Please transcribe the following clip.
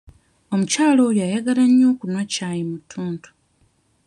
Omukyala oyo ayagala nnyo okunywa ccaayi mu tuntu.